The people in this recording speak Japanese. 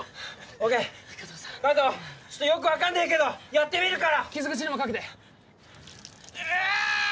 オーケー加藤ちょっとよく分かんねえけどやってみるから傷口にもかけてうわ！